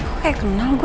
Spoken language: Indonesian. kok kayak kenal gue